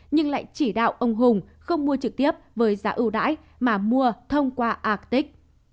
nhưng lại chỉ đạo ông hùng không mua trực tiếp với giá ưu đãi mà mua thông qua acic